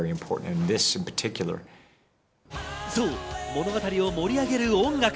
物語を盛り上げる音楽。